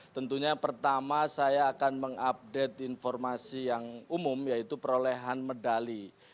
tentunya pertama saya akan mengupdate informasi yang umum yaitu perolehan medali